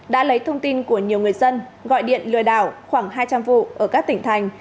đã lấy thông tin của nhiều người dân gọi điện lừa đảo khoảng hai trăm linh vụ ở các tỉnh thành